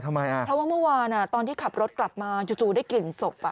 เพราะว่าเมื่อวานตอนที่ขับรถกลับมาจู่ได้กลิ่นศพ